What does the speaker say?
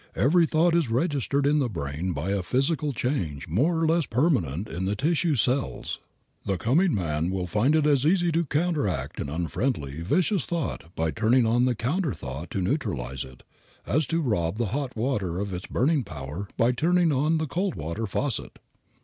Every thought is registered in the brain by a physical change more or less permanent in the tissue cells. The coming man will find it as easy to counteract an unfriendly, vicious thought by turning on the counter thought to neutralize it, as to rob the hot water of its burning power by turning on the cold water faucet.